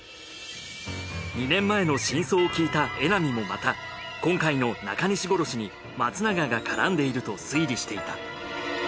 ２年前の真相を聞いた江波もまた今回の中西殺しに松永が絡んでいると推理していた。